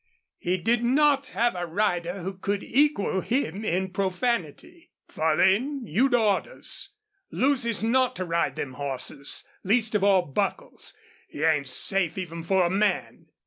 He did not have a rider who could equal him in profanity. "Farlane, you'd orders. Lucy's not to ride them hosses, least of all Buckles. He ain't safe even for a man."